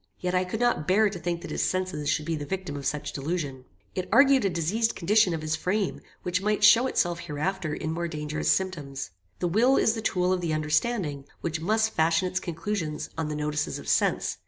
Yet I could not bear to think that his senses should be the victims of such delusion. It argued a diseased condition of his frame, which might show itself hereafter in more dangerous symptoms. The will is the tool of the understanding, which must fashion its conclusions on the notices of sense.